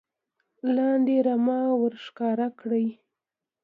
لاندې رمه ور ښکاره کړي